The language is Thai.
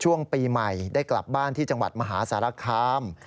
ช่วงปีใหม่ได้กลับบ้านที่จังหวัดมหาสารคาม